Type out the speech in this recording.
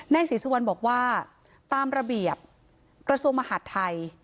ศรีสุวรรณบอกว่าตามระเบียบกระทรวงมหาดไทย